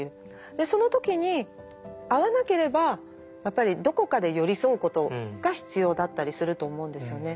その時に合わなければやっぱりどこかで寄り添うことが必要だったりすると思うんですよね。